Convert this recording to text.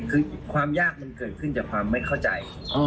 คือความยากมันเกิดขึ้นจากความไม่เข้าใจ